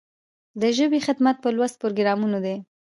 د ژبې خدمت په لوست پروګرامونو دی.